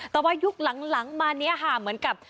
แต่ว่ายุคหลังมาเนี่ยค่ะเหมือนกับ